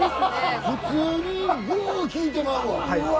普通にぐぅ聞いてまうわ。